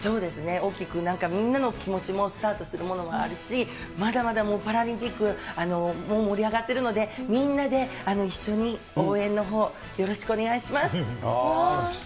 大きく、なんかみんなの気持ちもスタートするものがあるし、まだまだもうパラリンピック、盛り上がってるので、みんなで一緒に応援のほう、よろしくお願いします。